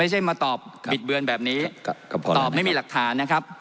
ไม่ใช่มาตอบบิดเบือนแบบนี้ตอบไม่มีหลักฐานนะครับ